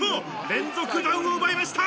連続ダウンを奪いました。